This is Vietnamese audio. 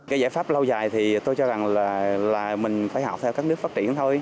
cái giải pháp lâu dài thì tôi cho rằng là mình phải học theo các nước phát triển thôi